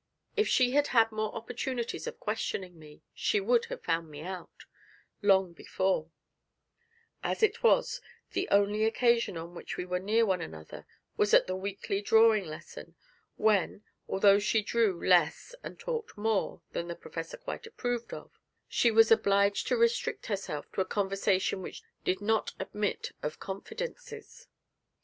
If she had had more opportunities of questioning me, she would have found me out long before; as it was, the only occasion on which we were near one another was at the weekly drawing lesson, when, although she drew less and talked more than the Professor quite approved of, she was obliged to restrict herself to a conversation which did not admit of confidences.